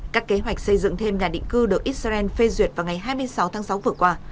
các kế hoạch xây dựng thêm nhà định cư được israel phê duyệt vào ngày hai mươi sáu tháng sáu vừa qua